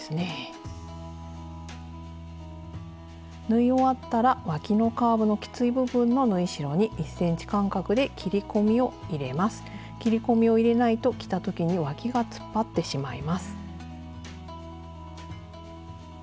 縫い終わったらわきのカーブのきつい部分の縫い代に切り込みを入れないと着た時にわきが突っ張ってしまいます。